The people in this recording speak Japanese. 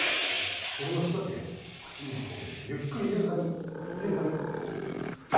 それをひと切れ口に運んでゆっくり優雅に優雅にスクッと。